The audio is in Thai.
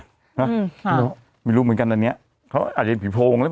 ค่ะมันรู้เหมือนกันอันเนี้ยเขาอาจจะผีโฟงนะแป๊บ